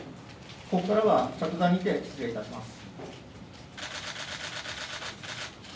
ここから着座にて失礼いたします。